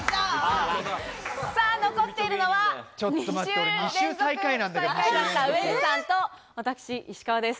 残っているのは２週連続最下位だったウエンツさんと私、石川です。